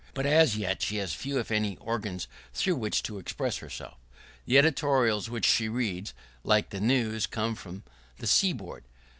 But as yet she has few, if any organs, through which to express herself. The editorials which she reads, like the news, come from the seaboard.